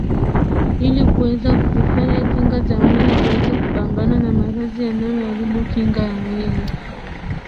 ili kuweza kuzifanya kinga za mwili ziweze kupambana na maradhi yanayoaribu kinga ya mwili